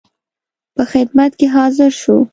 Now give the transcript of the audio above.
په خدمت کې حاضر شو.